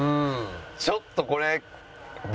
ちょっとこれ。